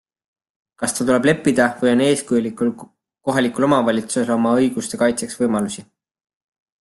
Kas tal tuleb leppida või on eeskujulikul KOV-il oma õiguste kaitseks võimalusi?